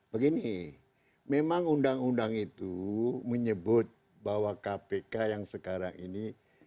begini memang undang undang itu menyebut bahwa kpk yang sekarang ini